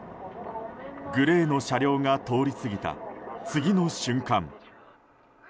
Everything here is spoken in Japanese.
グレーの車両が通り過ぎた次の瞬間。